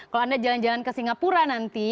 kalau anda jalan jalan ke singapura nanti